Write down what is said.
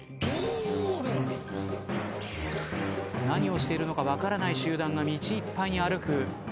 何をしているのか分からない集団が道いっぱいに歩く。